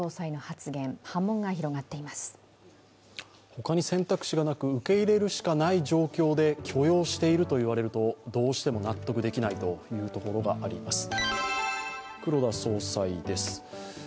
他に選択肢がなく受け入れるしかない状況で許容しているといわれると、どうしても納得できないところがあります。